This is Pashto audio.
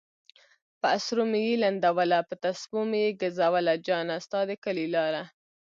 پہ اسرو میی لنڈولہ پہ تسپو میی گزولہ جانہ! ستا د کلی لارہ